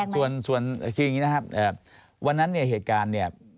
ส่วนคืออย่างนี้นะครับวันนั้นเนี่ยเหตุการณ์เนี่ย